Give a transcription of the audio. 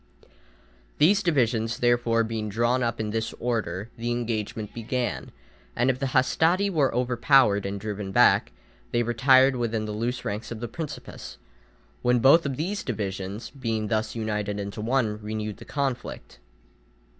These divisions, therefore, being drawn up in this order, the engagement began, and if the hastati were overpowered and driven back, they retired within the loose ranks of the principes, when both these divisions, being thus united into one, renewed the conflict.